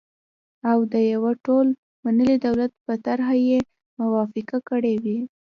او د يوه ټول منلي دولت په طرحه یې موافقه کړې وای،